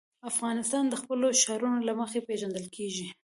افغانستان د خپلو ښارونو له مخې پېژندل کېږي.